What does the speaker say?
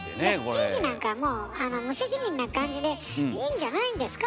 じぃじなんかもう無責任な感じでいいんじゃないんですか？